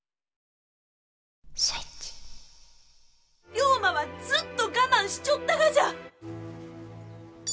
龍馬はずっと我慢しちょったがじゃ！